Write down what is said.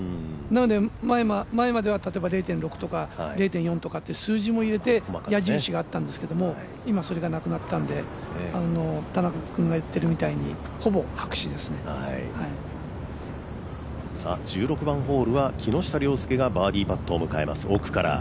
なので、前までは０．６とか０．４っていう数字も入れて、矢印があったんですけど今はそれがなくなったんで今それがなくなったんで、田中君が言っているみたいに１６番ホールは木下稜介がバーディーパットを迎えます。